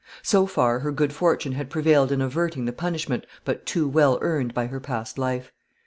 So far her good fortune had prevailed in averting the punishment but too well earned by her past life.